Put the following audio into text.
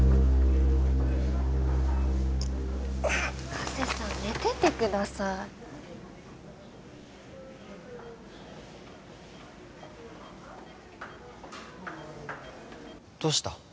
加瀬さん寝ててくださいどうした？